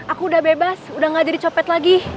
aku udah bebas udah gak jadi copet lagi